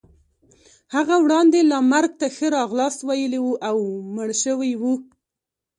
هغه وړاندې لا مرګ ته ښه راغلاست ویلی وو او مړ شوی وو.